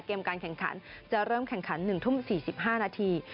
การแข่งขันจะเริ่มแข่งขัน๑ทุ่ม๔๕นาที